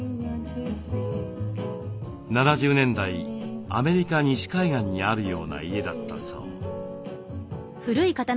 ７０年代アメリカ西海岸にあるような家だったそう。